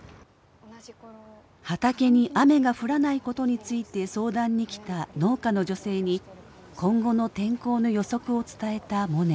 畑に雨が降らないことについて相談に来た農家の女性に今後の天候の予測を伝えたモネ。